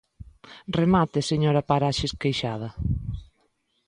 Remate, señora Paraxes Queixada.